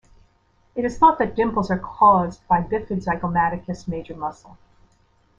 It is thought that dimples are caused by bifid zygomaticus major muscle.